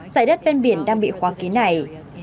dãy đất bên biển đang bị khoa ký này